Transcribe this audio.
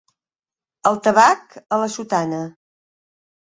El tabac a la sotana.